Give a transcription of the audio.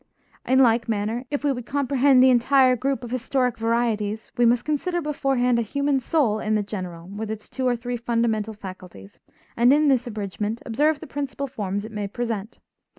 In like manner, if we would comprehend the entire group of historic varieties we must consider beforehand a human soul in the general, with its two or three fundamental faculties, and, in this abridgment, observe the principal forms it may present.